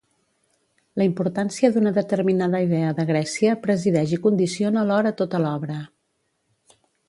La importància d'una determinada idea de Grècia presideix i condiciona alhora tota l'obra.